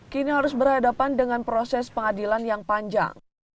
kini harus berhadapan dengan proses pengadilan yang panjang